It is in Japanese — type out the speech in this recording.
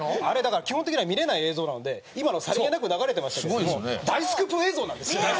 あれだから基本的には見れない映像なので今のさりげなく流れてましたけども大スクープ映像なんですよ